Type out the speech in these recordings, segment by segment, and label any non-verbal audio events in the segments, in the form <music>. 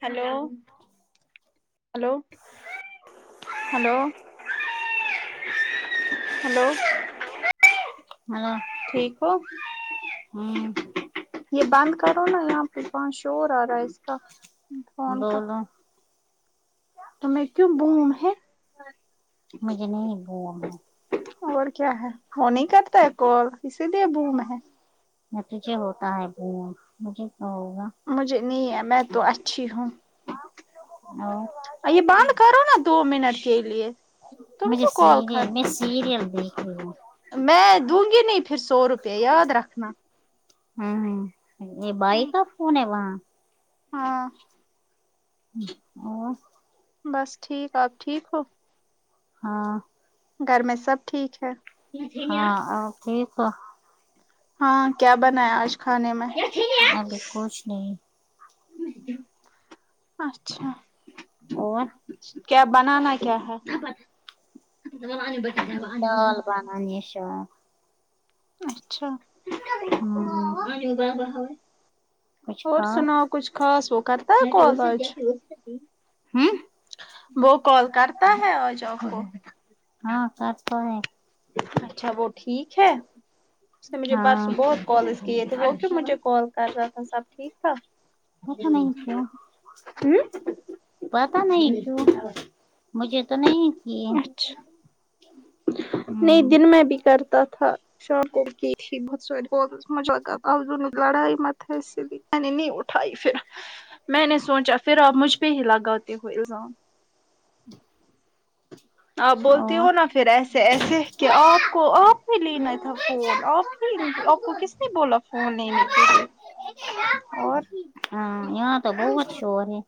hello hello hello hello hello ٹھیک ہو ہوں یہ بند کرو نا یہاں پفان شور آ رہا ہے اس کا فون بولو تو میں کیوں بوم ہے مجھے نہیں بوم ہے اور کیا ہے وہ نہیں کرتا ہے کال اسی لیے بوم ہے تجھے ہوتا ہے مجھے کیا ہوگا مجھے نہیں ہے میں تو اچھی ہوں ہاں یہ بند کرو نا دو منٹ کے لیے تم مجھے کیوں کال سیریل کر میں سیریل دیکھ رہی ہوں میں دوں گی نہیں پھر سو روپے یاد رکھنا ہاں یہ بھائی کون ہے وہاں ہاں اور بس ٹھیک آپ ٹھیک ہو ہاں گھر میں سب ٹھیک ہے ہاں اور ٹھیک ہو ہاں کیا بنایا آج کھانے میں ابھی کچھ نہیں اچھا اور کیا بنانا کیا ہے <inaudible> ہماری نیشا اچھا ہوں کچھ اور کھاؤ سنا کچھ سوکرتا ہے کال آج ہوں وہ کال کرتا ہے آج آپ کو ہاں سچ تو ہے اچھا وہ ٹھیک ہے اس نے مجھے پرس ہاں بہت کال اس کیے تھے کیوں مجھے کال کر رہا تھا سب ٹھیک تھا پتا نہیں کی کیوں ہم ہمم پتا نہیں کیوں مجھے تو نہیں کیے اچھا نہیں ہوں دن میں بھی کرتا تھا شام کو کی تھی <unintelligible> لڑائی متےس میں نے نہیں اٹھائی پھر میں نے سوچا پھر آپ مجھ پہ ہی لگاتے ہو الزام آپ بولتی اور ہو نا پھر ایسے ایسے کہ آپ کو آپ ہی لینا تھا فون آپ آپ کس نے بولا فون نہیں لینے کے لیے اور ہا یہاں تو بہت شور ہے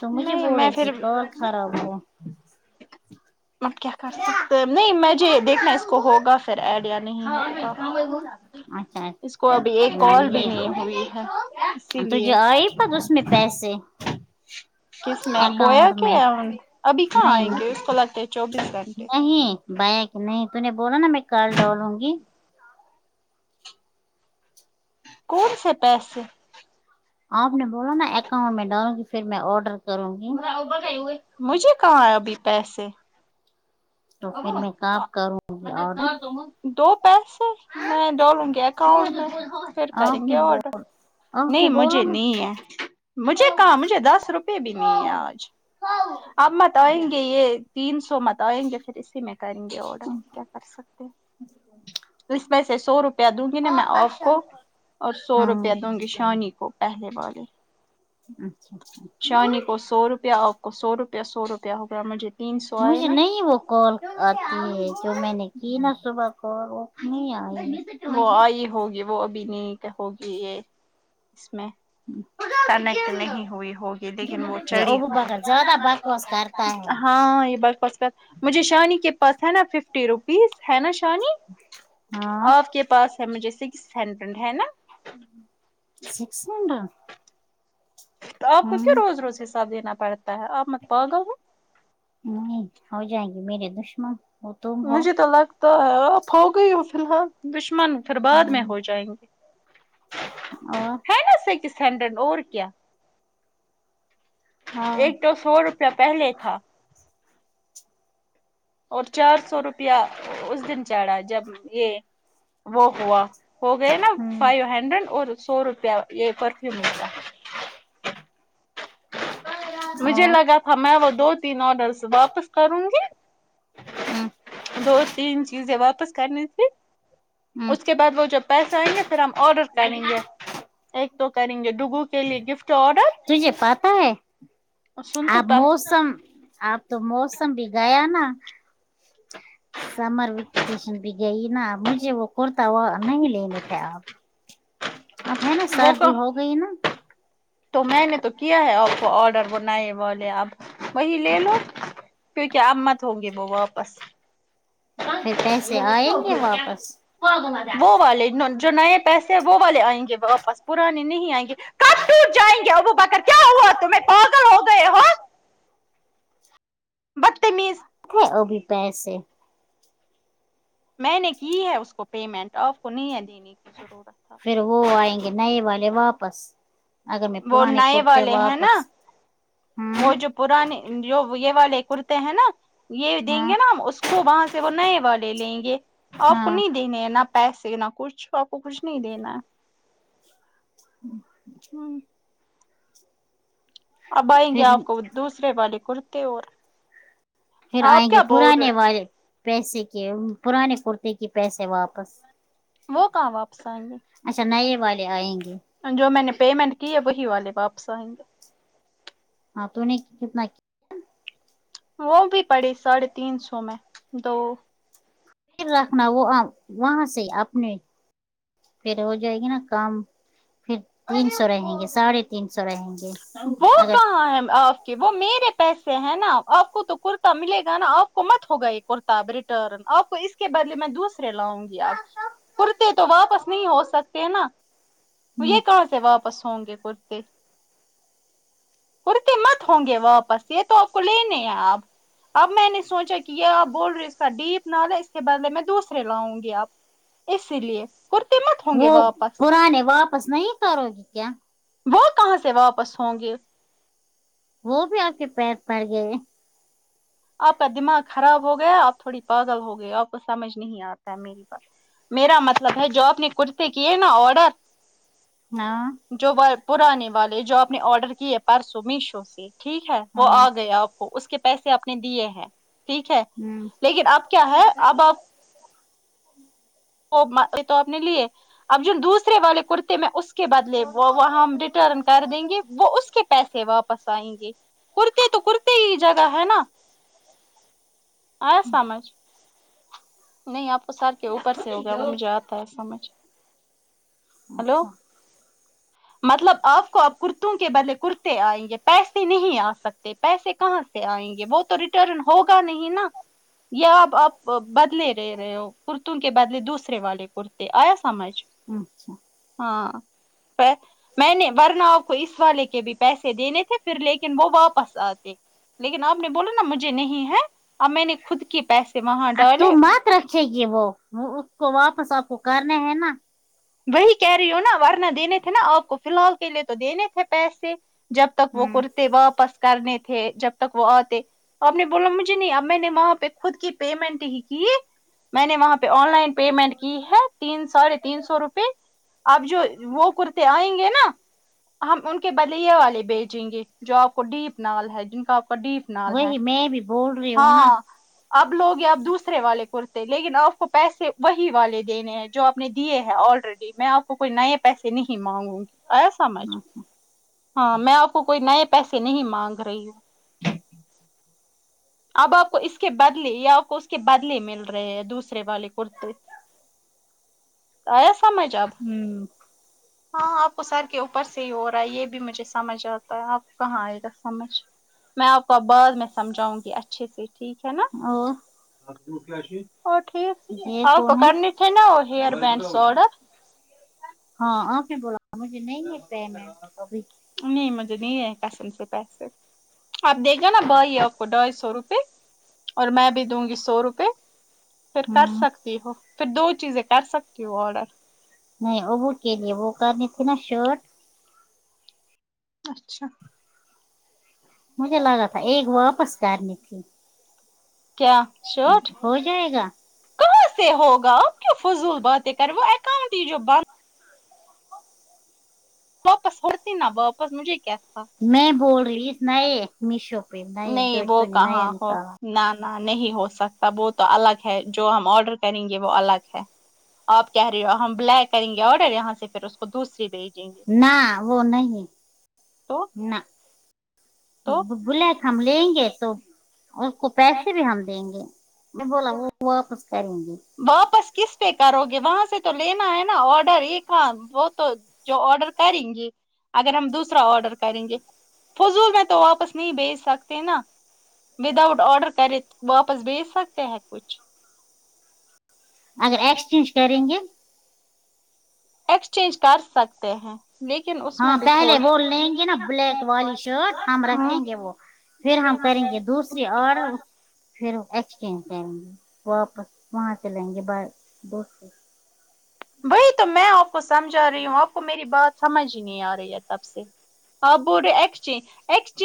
تو مجھے نہیں بول میں رہی پھر تھی کال خراب ہو آپ کیا کر سکتے ہیں نہیں میںھے دیکھنا اس کو ہوگا پھر ایڈ یا نہیں اچھاچ اس کو ابھی ایک کال بھی یہ نہیں ہوئی ہے اسی تھے لیے آئی پت اس میں پیس سے کس میں بویا کہ ابھی کہاں نہیں آئیں گے اس کو لگتے ہے چوبیس گھنٹے نہیں بایا کہ نہیں تو نے بولا نا میں کال ڈالوں گی کون سے پیسے آپ نے بولا نا اکاؤنٹ میں ڈالو گی پھر میں آرڈر مجھے کہاں آے ابھی پیسے تو پھر میں کب کروں گی آڈر دو پیسے میں ڈولوں گی کال کر پھر آپ کریں نے گے آڈر آپ نے نہیں بولا مجھے نا نہیں ہے مجھے کہاں مجھے دس روپے بیبی نہیں ہے آج اب متائیں گے یہ تین سو متائیں گے پھر اسی میں کریں گے آڈر کیا کر سکتے اس میں سے سو روپیہ دوں گی نا میں آپ کو اور سو ہاں روپیہ دوں گی شانی کو پہلے والے اچھا اچھا شانی کو سو روپیہ آپ کو سو روپیہ سو روپیہ ہوگا مجھے تین سو آئے مجھے نا نہیں وہ کال آتی ہے جو میں نے کی نا صبح کو اٹ نہیں آئی ہے وہ آئی ہوگی وہ ابھی نہیں ہوگی یہ اس میں کنیکٹ نہیں ہوئی ہوگی لیکن وہ یہ چڑی ابو ہوگی بکر زیادہ بکواس کرتا ہے ہاں یہ بر کسک مجھے شانی کے پاس ہے نا ففٹی روپیز ہے نا شانی ہاں آپ کے پاس ہے مجھے سکس ہنڈریڈ ہے نا سکس ہنڈریڈ تو آپ کو کیوں ہوں روز روز حساب دینا پڑتا ہے آپ مت پا گا ہو نہیں ہو جائیں گی میرے دشمن وہ تم ہو مجھے تو لگتا ہے آپ ہو گئی ہو فی الحال دشمن پھر بعد میں ہو جائیں گے اور سینڈرن اور کیا ہاں ایک تو سو روپیہ پہلے تھا اور چار سو روپیہ اس دن چڑھا جب یہ وہ ہوا ہو گئے نا فائیو ہنڈریڈ اور سو روپیہ یہ پرفیومو کا ا مجھے لگا تھا میں وہ دو تین آڈرس واپس کروں گی دو تین چیزیں واپس کرنی تھی اس اس کے بعد وہ جب پیسے آئیں گے پھر ہم آڈر کریں گے ایک تو کریں گے ڈوگو کے لیے گفٹ آڈر تجھے پاتا ہے سن تو آپ پا موسم آپ تو موسم بھی گیا نا سمر ویکیشن بھی گئی نا مجھے وہ کرتا وہ نہیں لینے تھے آپ اب ہے نا وہ کا سردی ہو گئی نا تو میں نے تو کیا ہے آ پ کو آڈر وہ نئے والے اب وہی لے لو کیونکہ اب مت ہوں گے وہ واپس پھر پیسے آئیں گے واپس وہ والے جو نئے پیسے وہ والے آئیں گے واپس پرانے نہیں آئیں گے کب ٹوٹ جائیں گے ابو بکر کیا ہوا تمہیں پاگل ہو گئے ہو بدتمیز ا بھی پیسے میں نے کی ہے اس کو پیمنٹ آپ کو نہیں ہے دینے کی ضرورت تھا پھر وہ آئیں گے نئے والے واپس اگر میں وہ پرانے نئے کرتے والے ہیں نا واپس ہاں وہ جو پرانے جو یہ والے کرتے ہیں نا یہ دیں ہاں گے نا ہم اس تو وہاں سے وہ نئے والے لیں گے آپ کو ہاں نہیں دینے ہیں نہ پیسے نہ کچھ آپ کو کچھ نہیں دینا ہے ہ <inaudible> اب آئیں گے پھر آپ کو دوسرے والے کرتے اور پھر آپ آئیں گے کیا بول پرانے رہے والے پیسے کے پرانے کرتے کی پیسے واپس وہ کہاں واپس آئیں اچھا نئے والے آئیں گے جو میں نے پیمنٹ کی ہے وہی والے واپس آئیں گے ہاں تو نہیں وہ بھی پڑی ساڑھے تین سو میں دو رکھنا وہ آ وہاں سے اپنے پھر ہو جائے گی نا کام پھر تین سو رہیں گے ساڑھے تین سو رہیں گے اگر آئی ایم آف وہ میرے پیسے ہیں نا آپ کو تو کرتا ملے گا نا آپ کو مت ہوگا ایک کرتاب ریٹرن آپ کو اس کے بدلے میں دوسرے لاؤں گی آپ کورتے تو واپس نہیں ہو سکتے ہیں نا ہ یہ کہاں سے واپس ہوں گے کرتے کورتے مت ہوں گے واپس یہ تو آپ کو لینے ہی آپ اب میں نے سوچا کہ یہ آپ بول رہے اس کا ڈیپ نال ہے اس کے بدلے میں دوسرے لاؤں گی آپ اسی لیے کور تےمت ہونگے واپس مئی کا آ روگکا وہ کہاں سے واپس ہوں گے وہ بھی آپ کے پیر پڑ گئے آ پ کا دماغ خراب ہو گیا آپ تھوڑی پاگل ہو گئی آپ کو سمج نہیں آتا میر میرا مطلب ہے جو آپ نے کرتے کیے نا آڈر ہاں جو وی پرانے والے جو آپ نے آرڈر کیے پرسو میشو سے ٹھیک ہے وہ ہاں آ گئے آپ اس کے پیسے اپ نے دیے ہیں ٹھیک ہے ہمم لیکن اب کیا ہے اب آپ وہ یہ تو آپ نے لیے <unintelligible> اب ج دوسرے والے کرتے میں اس کے بدلے وہ وہ ہم ریٹرن کر دیں گے وہ اس کے پیسے واپس آئیں گے کرتے تو کرتے صحیح جگہ ہے نا آیا سمجھ نہیں آپ کو سر کے اوپر سے ہوگا وہ مجھے آتا ہے سمجھ ہلو اچھا مطلب آپ کو آپ کرتوں کے بدلے کرتے آئیں گے پیسے نہیں آ سکتے پیسے کہاں سے آئیں گے وہ تو ریٹرن ہوگا نہیں نا یا آپ آپ بدلے رہ رہے ہو کرتوں کے بدلے دوسرے والے کرتے آیا سمجھ اچھا ہاں <unintelligible> میں نے ورنؤ کو اس والے کے بھی پیسے دینے تھے پھر لیکن وہ واپس آتے لیکن آپ نے بولا نا مجھے نہیں ہے اب میں نے خود کے پیسے وہاں ا تو ڈالے مات رکھے گی وہ اس کو واپس آپ کو کرنے ہے نا وہی کہہ رہی ہو نا ورنہ دینے تھے نا آپ کو فی الحال کے لیے تو دینے تھے پیسے جب تک وہ ہوں کرتے واپس کرنے تھے جب تک وہ آتے آپ نے بولا مجھے نہیں اب میں نے وہاں پہ خود کی پیمنٹ ہی کی میں نے وہاں پہ آن لائن پیمنٹ کی ہے تین سو سارے تین سو روپے آب جو وہ کرتے آئیں گے نا ہم ان کے بدلے والے بیچیں گے جو آپ کو ڈیپ نال ہے جن کا آپ کا ڈیپ نال ہے وہی میں بھی بول رہی ہوں نا ہاں اب لوگ یا آپ دوسرے والے کرتے لیکن آپ کو پیسے وہی والے دینے ہیں جو آپ نے دیے ہیں آلریڈی میں آپ کو کوئی نئے پیسے نہیں مانگوں گی آیا سمجھ ہاں میں آپ کو کوئی نئے پیسے نہیں مانگ رہی ہوں اب آپ کو اس کے بدلے یا آپ کو اس کے بدلے مل رہے ہیں دوسرے والے کرتے آیا سمجھ آب ہوں ہاں آپ کو سر کے اوپر سے ہی ہو رہا ہے یہ بھی میں مجھے سمجھ آتا ہے آپ کہاں آئے گا سمجھ میں آپ کو بعد میں سمجےجاؤں گی یہ اچھے سے ٹھیک ہے نا اور اور ٹھیک یہ آ پکو کون ہے کر نے تھے نا ہیئر بڈس آڈر ہاں آپ نے بولا مجھے نہیں <unintelligible> ابھی نہیں مجھے نہیں ہے کسم سے پیسے آپ دیکھ گا نا بائی کو ڈھائی سو روپے اور میں بھی دوں گی سو روپئے پھر کر ہوں سکتی ہو پھر دو چیزیں کر سکتی ہو آڈر نہیں ابو کے لیے وہ کرنی تھی نا شرٹ اچھا مجھے لگا تھا ایک واپس کرنی تھی کیا شرٹ ہو جائے گا کہاں سے ہوگا آپ کیوں فضول باتیں کرے وہ اکاؤنٹ ہی جو بند واپس ہوتی نا واپس مجھے کیا تھا میں بول رہی نئے میشو پہ نئے جو نہیں وہ نے نیا کہاں ہو نیکالا کہا نہ نہیں ہو سکتا وہ تو الگ ہے جو ہم آڈر کریں گے وہ الگ ہے آپ کہہ رہیے ہو ہم بلیک کریں گے آرڈر یہاں سے پھر اس کو دوسری بیٹ نہ وہ نہیں تو نہ تو بلا کے ہم لیں گے تو اور اس کو پیسے بھی ہم دیں گے میں بولا وہ واپس کریں گے واپس کس پہ کرو گے وہاں سے تو لینا ہے نا آڈر یہ کا وہ تو جو آڈر کریں گے اگر ہم دوسرا آڈر کریں گے فضول میں تو واپس نہیں بھیج سکتے نا ود آؤٹ آرڈر کرت واپس بی سکتے ہیں کوچھ اگر ایکسچینج کریں گے ایکسچینج کر سکتے ہیں لیکن اس میں ہاں بھی پہلے وہ لیں گے نا تھوڑا بلیک والی شرٹ ہم رکھیں گے ہاں وہ پھر ہم کریں گے دوسری اور پھر ایکسچینج کریں گے واپس وہاں چلیں گے دوست سے وہی تو میں آپ کو سمجھا رہی ہوں آپ کو میری بات سمجھ ہی نہیں آ رہی ہے تب سے آپ بول رہے ایکسچینج ایکسچ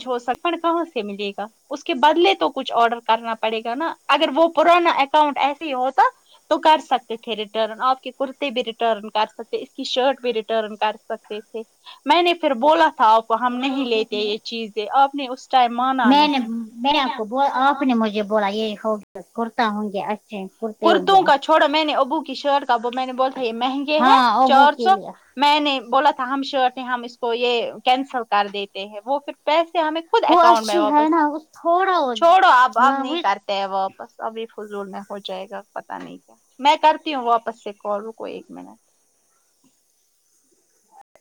جوھ سکن کہاں سے ملے گا اس کے بدلے تو کچھ آڈر کرنا پڑے گا نا اگر وہ پرانا اکاؤنٹ ایسے ہی ہوتا تو کر سکتے تھے ریٹرن آپ کے کرتے بھی ریٹرن کر سکتے اس کی شرٹ بھی ریٹرن کر سکتے تھ میں نے پھر بولا تھا آپ ہم نہیں لیتے یہ چیزیں آپ نے اس ٹائم مانا میں نے نہیں میں آپ کو آپ نے مجھے بولا یہ ہوگ کرتا ہوں گے اچھے کرتے ہوں گے کرتوں کا چھوڑا میں نے ابو کی شرٹ کا اب میں نے بول تھا یہ مہنگے ہے ہاں اور وہ چار کے سو لیے میں نے بولا تھا ہم شور تھ ہم اس کو یہ کینسل کر دیتے ہیں وہ پھر پیسے ہمیں خود وہ اکاؤنٹ میں اچھی ہے واپس نا اس تھوڑا وہ چھوڑو اب ا نہیں لانگویج کرتے ت واپس ابھی فضول میں ہو جائے گا پتا نہیں کیا میں کرتی ہوں واپس سے کال رکو ایک منٹ